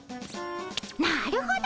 なるほど！